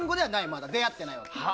まだ出会ってない。